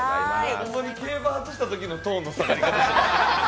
ホントに競馬外したときのトーンの下がり方。